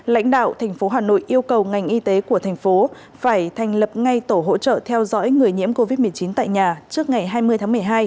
lãnh đạo thành phố hà nội yêu cầu ngành y tế của thành phố phải thành lập ngay tổ hỗ trợ theo dõi người nhiễm covid một mươi chín tại nhà trước ngày hai mươi tháng một mươi hai